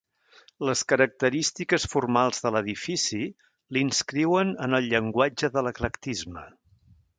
Les característiques formals de l'edifici l'inscriuen en el llenguatge de l'eclecticisme.